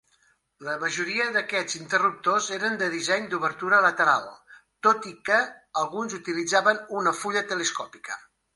La majoria d'aquests interruptors eren de disseny d'obertura lateral, tot i que alguns utilitzaven una fulla telescòpica.